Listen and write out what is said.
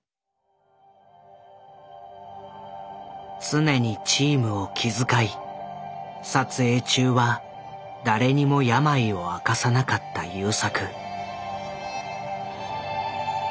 常にチームを気遣い撮影中は誰にも病を明かさなかった優作。